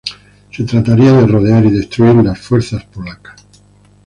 Se trataría de rodear y destruir las fuerzas polacas.